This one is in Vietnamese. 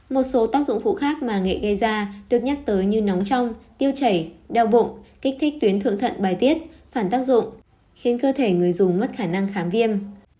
một số tác dụng phụ khác mà nghệ gây ra được nhắc tới như nóng trong tiêu chảy đau bụng kích thích tuyến thượng thận bài tiết phản tác dụng khiến cơ thể người dùng mất khả năng khám viêm